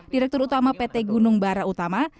direktur utama pt gunung bara utama